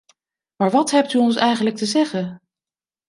Maar wat hebt u ons eigenlijk te zeggen?